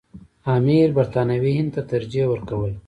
امیر برټانوي هند ته ترجیح ورکوله.